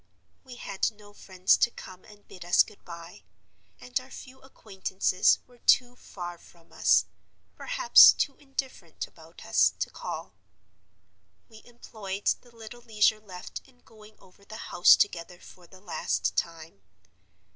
"We had no friends to come and bid us good by; and our few acquaintances were too far from us—perhaps too indifferent about us—to call. We employed the little leisure left in going over the house together for the last time.